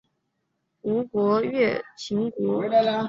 吴越国时复为钱唐县。